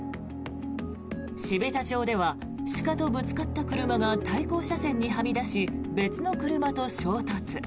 標茶町では、鹿とぶつかった車が対向車線にはみ出し別の車と衝突。